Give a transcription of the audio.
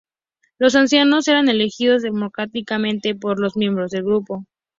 Los ancianos eran elegidos democráticamente por los miembros del grupo.